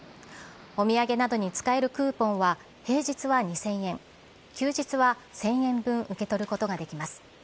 お土産などに使えるクーポンは平日は２０００円、休日は１０００円分受け取ることができます。